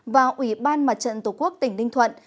và ủy ban mặt trận tổ quốc tỉnh ninh thuận